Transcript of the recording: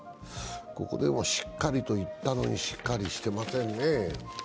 ここでもしっかりと言ったのにしっかりしてませんね。